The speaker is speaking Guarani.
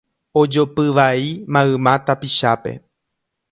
Ojopy vai mayma tapichápe